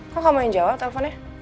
kok kamu yang jawab teleponnya